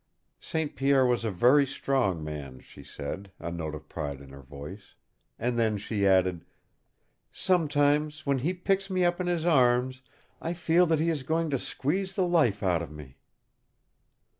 St. Pierre was a very strong man, she said, a note of pride in her voice. And then she added, "Sometimes, when he picks me up in his arms, I feel that he is going to squeeze the life out of me!"